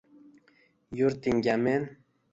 Yurtingga men